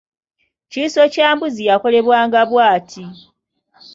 Kiiso kya mbuzi yakolebwanga bw’ati: